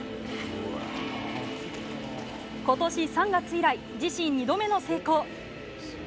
今年３月以来自身２度目の成功。